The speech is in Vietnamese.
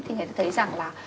thì người ta thấy rằng là